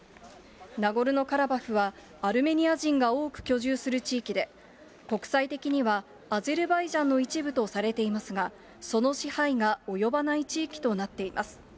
ナゴルノカラバフは、アルメニア人が多く居住する地域で、国際的にはアゼルバイジャンの一部とされていますが、その支配が及ばない地域となっています。